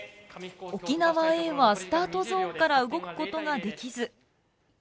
沖縄Ａはスタートゾーンから動くことができず。